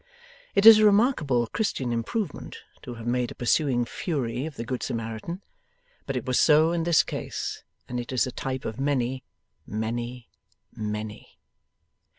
It is a remarkable Christian improvement, to have made a pursuing Fury of the Good Samaritan; but it was so in this case, and it is a type of many, many, many.